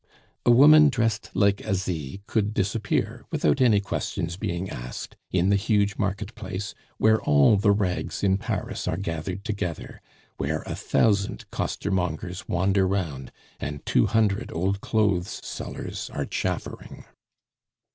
A woman dressed like Asie could disappear, without any questions being asked, in the huge market place, where all the rags in Paris are gathered together, where a thousand costermongers wander round, and two hundred old clothes sellers are chaffering.